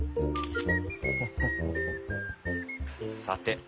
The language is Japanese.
さて。